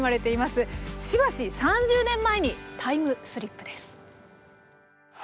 しばし３０年前にタイムスリップです。